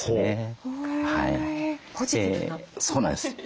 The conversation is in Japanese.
そうなんです。